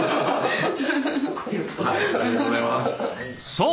そう！